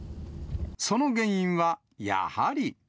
その原因はやはり。